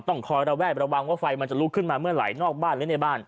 ต้องคอยระแวดระวังว่าไฟมันจะลุกขึ้นมาเมื่อไหร่นอกบ้านหรือในบ้าน